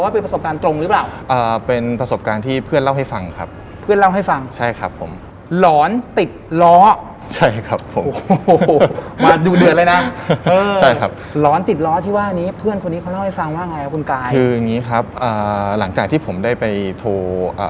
เพื่อนคนนี้เขาเล่าให้ซังว่าไงครับคุณกายคืออย่างนี้ครับหลังจากที่ผมได้ไปโทร